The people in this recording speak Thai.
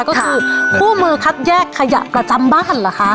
ก็คือคู่มือคัดแยกขยะประจำบ้านเหรอคะ